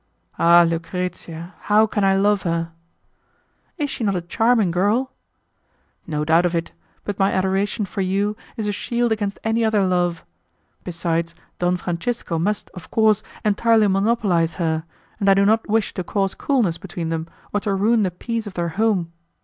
"Ah, Lucrezia! how can I love her?" "Is she not a charming girl?" "No doubt of it; but my adoration for you is a shield against any other love. Besides Don Francisco must, of course, entirely monopolize her, and I do not wish to cause coolness between them, or to ruin the peace of their home.